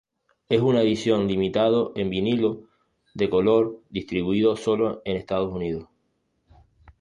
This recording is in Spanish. Es una edición limitado en vinilo de color distribuido sólo en Estados Unidos.